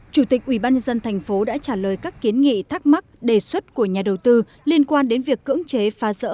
chủ tịch ubnd tp đã trả lời các kiến nghị thắc mắc đề xuất của nhà đầu tư liên quan đến việc cưỡng chế phá rỡ